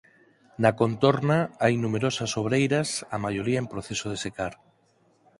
Na contorna hai numerosas sobreiras a maioría en proceso de secar.